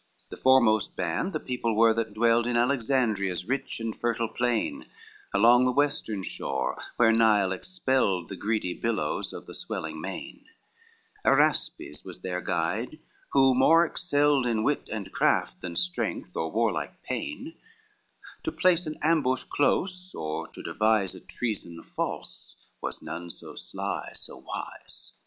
XV The foremost band the people were that dwelled In Alexandria's rich and fertile plain, Along the western shore, whence Nile expelled The greedy billows of the swelling main; Araspes was their guide, who more excelled In wit and craft than strength or warlike pain, To place an ambush close, or to devise A treason false, was none so sly, so wise.